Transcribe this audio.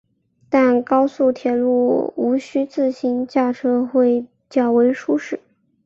但高速铁路毋须自行驾车会较为舒适。